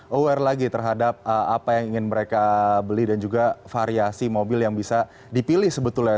aware lagi terhadap apa yang ingin mereka beli dan juga variasi mobil yang bisa dipilih sebetulnya